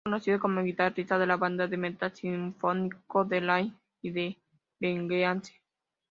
Es conocido como guitarrista de la banda de metal sinfónico Delain y de Vengeance.